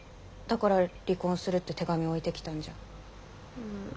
だから「離婚する」って手紙を置いてきたんじゃん。